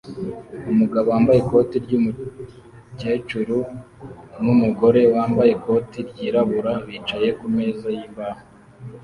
Umugabo wambaye ikoti ryumukecuru numugore wambaye ikoti ryirabura bicaye kumeza yimbaho